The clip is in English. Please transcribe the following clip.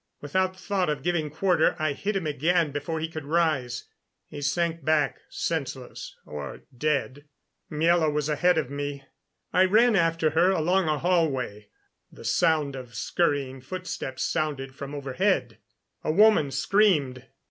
Without thought of giving quarter, I hit him again before he could rise. He sank back, senseless or dead. Miela was ahead of me, and I ran after her along a hallway. The sound of scurrying footsteps sounded from overhead; a woman screamed.